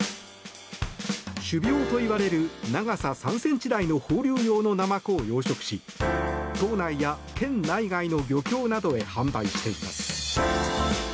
種苗といわれる、長さ３ｃｍ大の放流用のナマコを養殖し島内や県内外の漁協などへ販売しています。